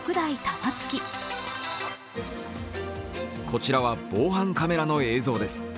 こちらは防犯カメラの映像です。